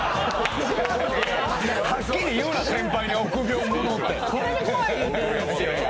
はっきり言うな先輩に臆病者って。